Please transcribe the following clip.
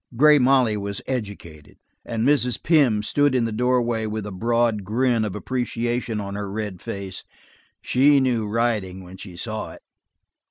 Grey Molly was educated, and Mrs. Pym stood in the doorway with a broad grin of appreciation on her red face, she knew riding when she saw it.